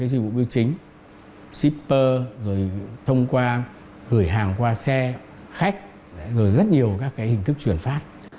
dịch vụ bưu chính shipper rồi thông qua gửi hàng qua xe khách rồi rất nhiều các hình thức chuyển phát